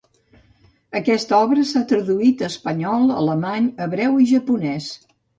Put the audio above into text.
Aquesta obra s'ha traduït a espanyol, alemany, hebreu i japonès.